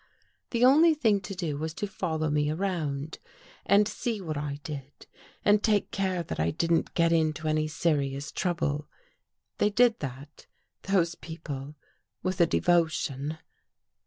The only thing to do was to follow me around and see what I did and take care that I didn't get into any serious trouble. They did that, those people, with a devotion